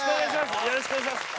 よろしくお願いします。